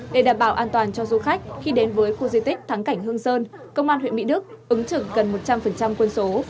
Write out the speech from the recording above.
để đảm bảo an toàn cho du khách khi đến với khu di tích thắng cảnh hương sơn công an huyện mỹ đức ứng trực gần một trăm linh quân số